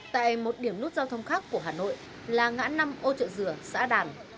tại một điểm nút giao thông khác của hà nội là ngã năm ô trợ dừa xã đàn